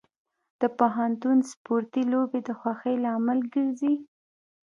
د پوهنتون سپورتي لوبې د خوښۍ لامل ګرځي.